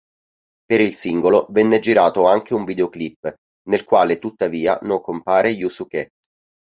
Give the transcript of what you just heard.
Per il singolo venne girato anche un videoclip, nel quale tuttavia non compare Yūsuke.